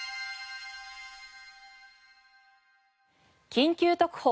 『緊急特報！